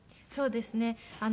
そうですね。